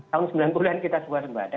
tahun sembilan puluh an kita sebuah sempat ada